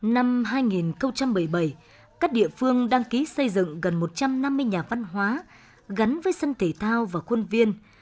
năm hai nghìn một mươi bảy các địa phương đăng ký xây dựng gần một trăm năm mươi nhà văn hóa gắn với sân thể thao và khuôn viên